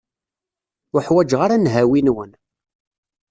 Ur ḥwaǧeɣ ara nnhawi-nwen.